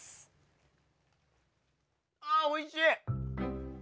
ああおいしい！